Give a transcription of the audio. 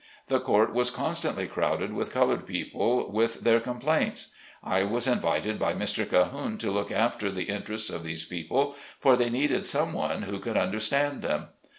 The court was constantly crowded with colored people with their complaints. I was invited by Mr. Cahoone to look after the interests of these people, for they needed some one who could understand them.